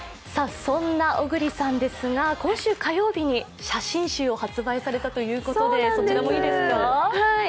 そんな小栗さんですが、今週火曜日に写真集を発売されたということで、そちらもいいですか。